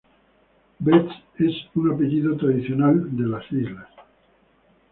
Betts es un apellido tradicional en las islas.